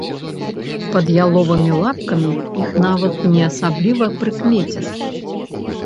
Пад яловымі лапкамі іх нават не асабліва прыкмеціш.